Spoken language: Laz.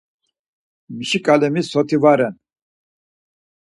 Mişi ǩelemi soti va ren?